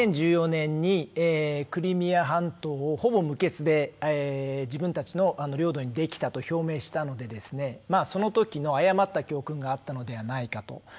２０１４年にクリミア半島をほぼ無血で自分たちの領土にできたと表明しはたので、そのときの誤った教訓があったのではないかと。